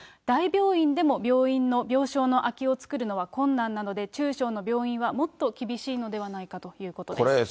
大病院でも病床の空きを作るのは困難なので、中小の病院はもっと厳しいのではないかということです。